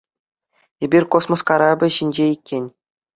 Эпир космос карапӗ ҫинче иккен.